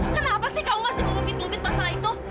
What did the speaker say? kenapa sih kamu masih memungkit mungkit pasal itu